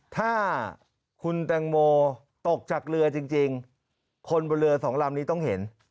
ถ้าคุณแตงโมตกจากเรือจริงคนบนเรือสองลำนี้ต้องเห็น